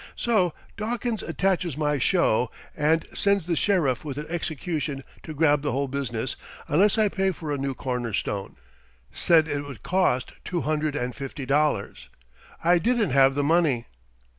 So Dawkins attaches my show and sends the Sheriff with an execution to grab the whole business unless I pay for a new cornerstone. Said it would cost two hundred and fifty dollars. I didn't have the money."